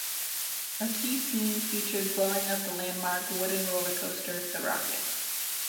A key scene featured blowing up the landmark wooden roller coaster"The Rocket".